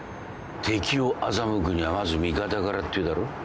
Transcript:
敵を欺くにはまず味方からって言うだろ？